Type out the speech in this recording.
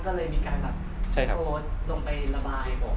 ก็เลยมีการแบบโกรธลงไประบายออกออกเลย